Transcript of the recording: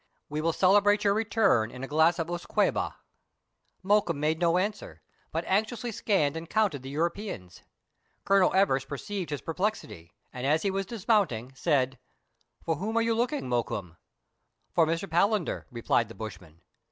We will celebrate your return in a glass of usquebaugh." Mokoum made no answer, but anxiously scanned and counted the Europeans. Colonel Everest perceived his perplexity, and as he was dismounting, said,^ " For whom are you looking, Mokoum ?"For Mr. Palander," replied the bushman.